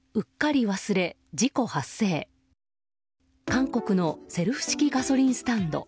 韓国のセルフ式ガソリンスタンド。